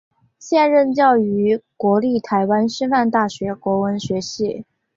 现任教于国立台湾师范大学国文学系。